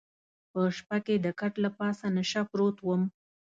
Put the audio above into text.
په شپه کې د کټ له پاسه نشه پروت وم.